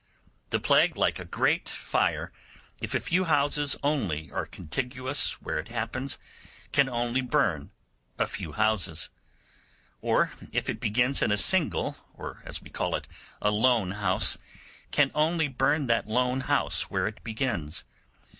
The plague, like a great fire, if a few houses only are contiguous where it happens, can only burn a few houses; or if it begins in a single, or, as we call it, a lone house, can only burn that lone house where it begins.